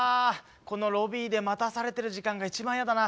このロビーで待たされてる時間が一番嫌だな。